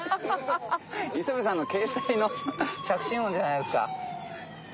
磯辺さんのケータイの着信音じゃないですか。